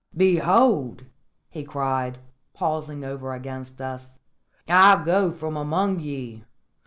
"Behold!" he cried, pausing over against us, "I go from among ye!